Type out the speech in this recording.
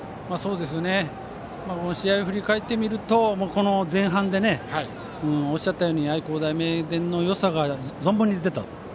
試合を振り返ってみると前半でおっしゃったように愛工大名電のよさが存分に出たと。